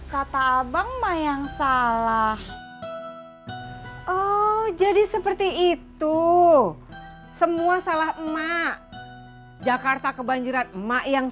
kata abang ma yang salah oh jadi seperti itu semua salah emak jakarta kebanjiran emak yang